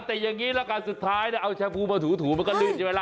แต่อย่างนี้ละกันสุดท้ายนะเอาแชมพูมาถูมันก็ลื่นใช่ไหมล่ะ